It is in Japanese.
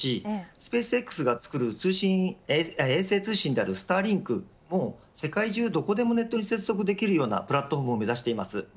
スペースＸが作る衛星通信のスターリンクも世界中どこにでもネットに接続できるようなプラットフォームを目指しています。